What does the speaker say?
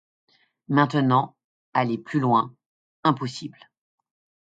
Maintenant, aller plus loin, impossible.